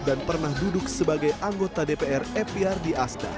dan pernah duduk sebagai anggota dpr epi